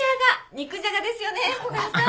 肉じゃがですよね古賀さん。